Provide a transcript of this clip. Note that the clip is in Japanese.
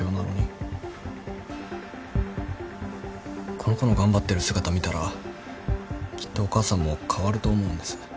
この子の頑張ってる姿見たらきっとお母さんも変わると思うんです。